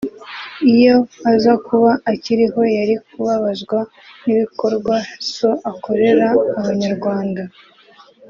iyo aza kuba akiriho yari kubabazwa n’ibikorwa so akorera Abanyarwanda”